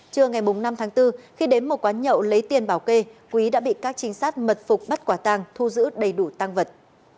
trưa ngày bốn năm bốn khi đến một quán nhậu lấy tiền bảo kê quý đã bị các trinh sát mật phục bắt quả tang thu giữ đầy đủ tang vật